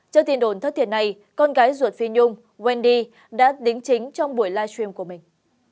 trước tin đồn thất thiệt này con gái ruột phi nhung wendy đã đính chính trong buổi live stream của mình